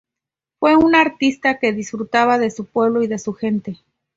Fue un artista que disfrutaba de su pueblo y de su gente.